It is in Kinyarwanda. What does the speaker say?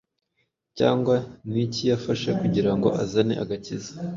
Cyangwa ni iki yafashe kugirango azane agakiza?